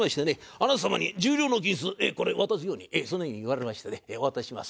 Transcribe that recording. あなた様に１０両の銀子これ渡すようにそのように言われましてねお渡しします。